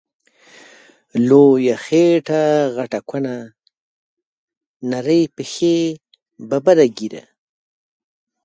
لويه خيټه غټه کونه، نرۍ پښی ببره ږيره